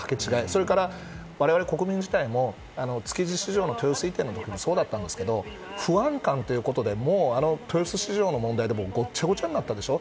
それから我々国民も築地市場の豊洲移転もそうだったんですが不安感ということで豊洲市場の問題でもごちゃごちゃになったでしょ。